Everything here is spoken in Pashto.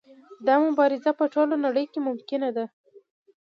دا مبارزه په ټوله نړۍ کې ممکنه ده.